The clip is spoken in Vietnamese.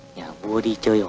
nhà vua đi chơi ổ